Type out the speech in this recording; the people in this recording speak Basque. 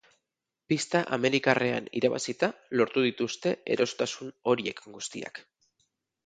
Pista amerikarrean irabazita lortu dituzte erosotasun horiek guztiak.